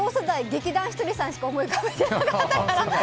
劇団ひとりさんしか思い浮かべてなかったから。